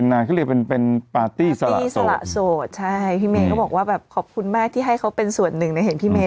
แม่จะกลับมาแล้วเร็วเนอะ